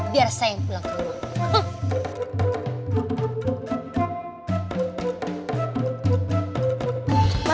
biar saya yang pulang ke rumah